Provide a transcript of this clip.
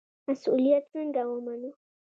مسوولیت څنګه ومنو؟